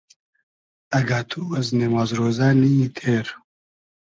اگۂ تو از نیماز رۉزۂ نی یی تېر